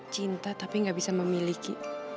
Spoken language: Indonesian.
cinta tapi gak bisa memiliki